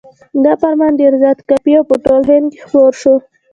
دا فرمان ډېر زیات کاپي او په ټول هند کې خپور شو.